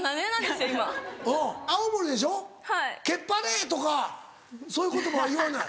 「けっぱれ」とかそういう言葉は言わない？